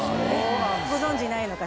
ご存じないのかしら？